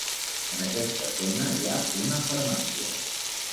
En aquesta zona hi ha una farmàcia.